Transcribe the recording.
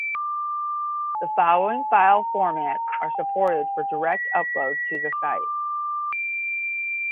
The following file formats are supported for direct upload to the site.